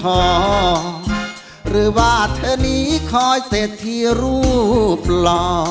หรือว่าเธอนี้คอยเศรษฐีรูปหล่อ